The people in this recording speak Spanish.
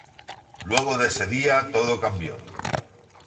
Luego de ese día, todo cambió.